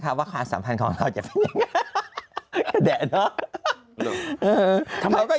ว่าความสัมพันธ์ของเราจะเป็นยังไง